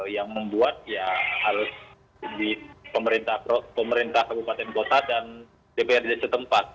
yang membuat ya harus di pemerintah kabupaten kota dan dprd setempat